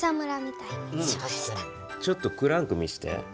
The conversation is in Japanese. ちょっとクランク見して。